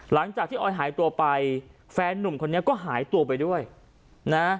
หลังจากที่ออยหายตัวไปแฟนนุ่มคนนี้ก็หายตัวไปด้วยนะ